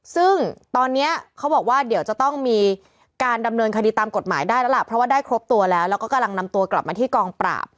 ซึ่งตอนนี้เขาบอกว่าเดี๋ยวจะต้องมีการดำเนินคดีตามกฎหมายได้แล้วล่ะเพราะว่าได้ครบตัวแล้วแล้วก็กำลังนำตัวกลับมาที่กองปราบ